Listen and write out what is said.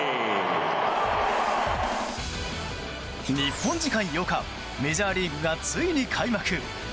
日本時間８日メジャーリーグがついに開幕。